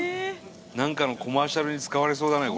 何かのコマーシャルに使われそうだね